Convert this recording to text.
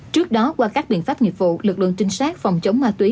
trước đó qua các biện pháp nghiệp vụ lực lượng trinh sát phòng chống ma túy